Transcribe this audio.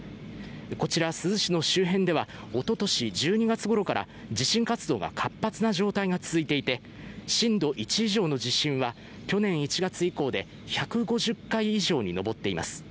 こちら、珠洲市の周辺ではおととし１２月ごろから地震活動が活発な状態が続いていて震度１以上の地震は去年１月以降で１５０回以上にのぼっています。